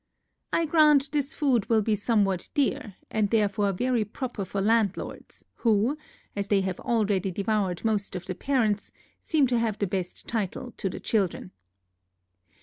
I grant this food will be somewhat dear, and therefore very proper for landlords, who, as they have already devoured most of the parents, seem to have the best title to the children.